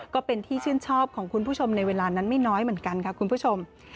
ก็เป็นที่ชื่นชอบของคุณผู้ชมในเวลานั้นไม่น้อยเหมือนกันค่ะคุณผู้ชม